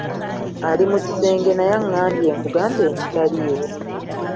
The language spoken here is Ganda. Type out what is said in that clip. Ali mu kisenge naye angambye nkugambe nti taliiwo.